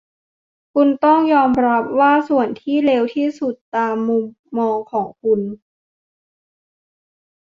คุณต้องยอมรับว่าส่วนที่เลวที่สุดตามมุมมองของคุณ